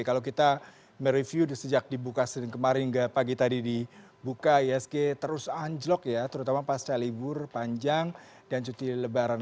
kalau kita mereview sejak dibuka sering kemarin hingga pagi tadi dibuka isg terus anjlok ya terutama pasca libur panjang dan cuti lebaran